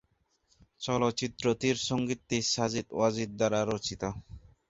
চলচ্চিত্রটির সঙ্গীতটি সাজিদ-ওয়াজিদ দ্বারা রচিত।